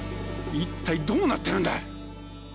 一体どうなってるんだ⁉